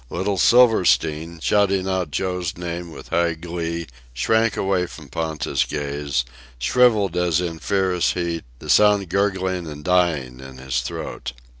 Little Silverstein, shouting out Joe's name with high glee, shrank away from Ponta's gaze, shrivelled as in fierce heat, the sound gurgling and dying in his throat.